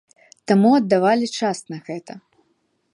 Таму аддавалі час на гэта.